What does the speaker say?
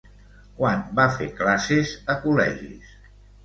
Quan va fer classes a col·legis?